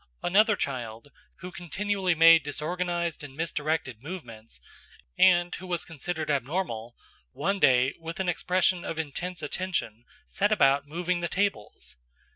Another child, who continually made disorganised and misdirected movements, and who was considered abnormal, one day, with an expression of intense attention, set about moving the tables.